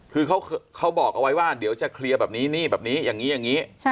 คือเขาบอกเอาไว้ว่าเดี๋ยวจะเคลียร์แบบนี้นี่แบบนี้อย่างนี้อย่างนี้